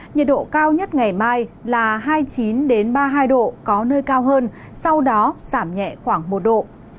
nhiệt độ cao nhất ngày mai là hai mươi chín ba mươi hai độ có nơi cao hơn sau đó giảm nhẹ khoảng một độ